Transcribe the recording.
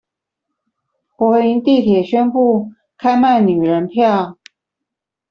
柏林地鐵宣布開賣女人票